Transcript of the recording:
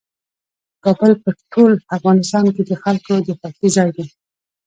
کابل په ټول افغانستان کې د خلکو د خوښې ځای دی.